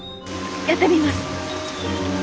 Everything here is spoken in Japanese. やってみます。